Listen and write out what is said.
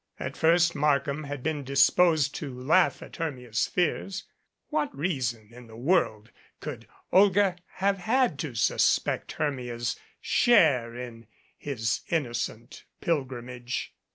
At first Markham had been disposed to laugh at Hermia's fears. What reason in the world could Olga have had to suspect Hermia's share in his innocent pilgrimage?